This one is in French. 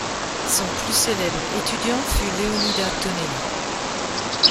Son plus célèbre étudiant fut Leonida Tonelli.